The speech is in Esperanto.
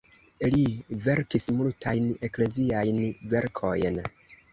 Li verkis multajn ekleziajn verkojn.